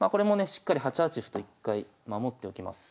しっかり８八歩と一回守っておきます。